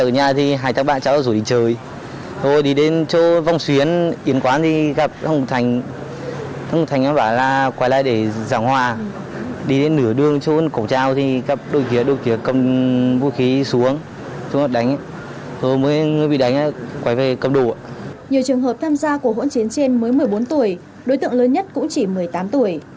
nhiều trường hợp tham gia cuộc hỗn chiến trên mới một mươi bốn tuổi đối tượng lớn nhất cũng chỉ một mươi tám tuổi